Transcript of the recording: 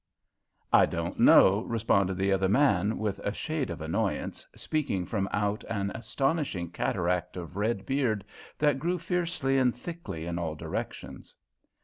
"I don't know," responded the other man with a shade of annoyance, speaking from out an astonishing cataract of red beard that grew fiercely and thickly in all directions.